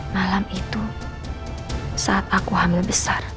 malam itu saat aku hamil besar